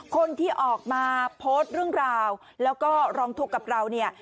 คนที่ออกมาโพสต์เรื่องราวแล้วก็ร้องทุกข์กับเราเนี่ย